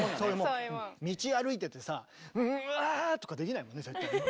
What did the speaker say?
道歩いててさ「んあぁ！」とかできないもんね絶対ね。